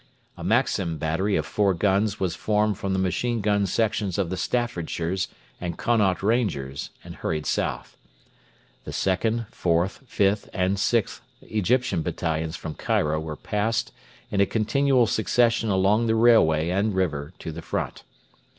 A Maxim battery of four guns was formed from the machine gun sections of the Staffordshires and Connaught Rangers and hurried south. The 2nd, 4th, 5th, and 6th Egyptian Battalions from Cairo were passed in a continual succession along the railway and river to the front.